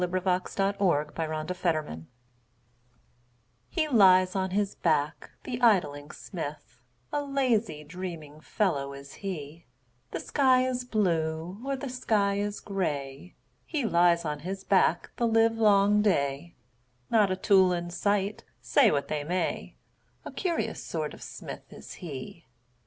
Helen Hunt Jackson The Poet's Forge HE lies on his back, the idling smith, A lazy, dreaming fellow is he; The sky is blue, or the sky is gray, He lies on his back the livelong day, Not a tool in sight, say what they may, A curious sort of smith is he.